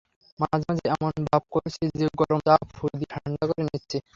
মাঝে-মাঝে এমন ভাব করছি যে গরম চা ফুঁ দিয়ে ঠাণ্ডা করে নিচ্ছি।